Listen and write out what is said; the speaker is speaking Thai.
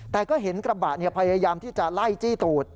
แต่ก็เห็นกระบะพยายามที่จะไล่จี้ตูด